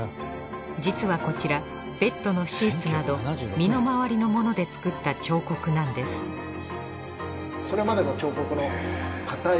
実はこちらベッドのシーツなど身の回りの物で作った彫刻なんですこれもやっぱり。